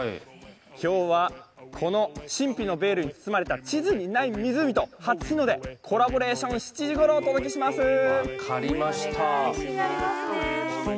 今日はこの神秘のベールに包まれた地図にない場所の初日の出、コラボレーション７時ごろお届けします！